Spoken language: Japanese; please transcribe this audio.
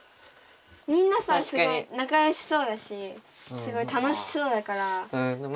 みなさんすごい仲よしそうだしすごい楽しそうだから大家族みたいな。